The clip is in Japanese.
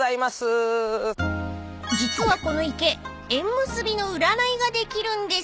［実はこの池縁結びの占いができるんです］